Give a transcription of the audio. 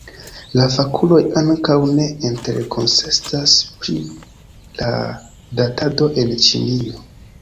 La fakuloj ankaŭ ne interkonsentas pri la datado en Ĉinio.